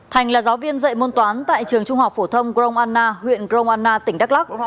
thành là giáo viên dạy môn toán tại trường trung học phổ thông grong anna huyện gromana tỉnh đắk lắc